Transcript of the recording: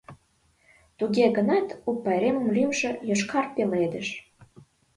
Туге гынат у пайремын лӱмжӧ — ЙОШКАР ПЕЛЕДЫШ.